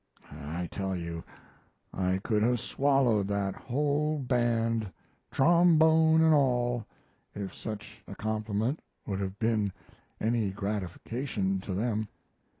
I tell you I could have swallowed that whole band, trombone and all, if such a compliment would have been any gratification to them.